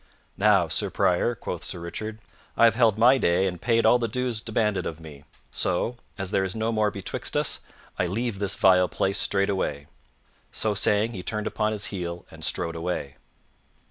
"Now, Sir Prior," quoth Sir Richard, "I have held my day and paid all the dues demanded of me; so, as there is no more betwixt us, I leave this vile place straightway." So saying, he turned upon his heel and strode away.